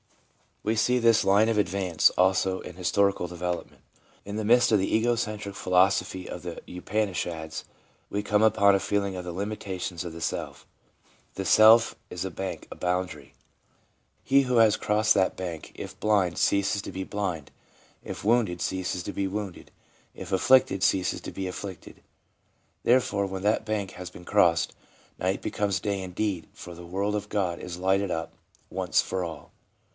We see this line of advance, also, in historical de velopment. In the midst of the ego centric philosophy of the Upanishads, we come upon a feeling of the limita tions of the self. 'The self is a bank, a boundary. ... He who has crossed that bank, if blind, ceases to be blind ; if wounded, ceases to be wounded ; if afflicted, ceases to be afflicted. Therefore when that bank has been crossed, night becomes day indeed, for the world of God is lighted up once for all.'